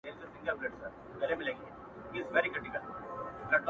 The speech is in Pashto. ته مي د ښكلي يار تصوير پر مخ گنډلی _